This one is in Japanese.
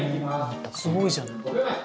すごいじゃない。